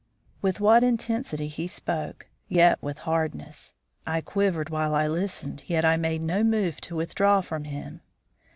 With what intensity he spoke, yet with what hardness. I quivered while I listened, yet I made no move to withdraw from him.